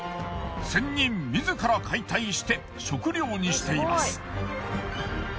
仙人自ら解体して食料にしています。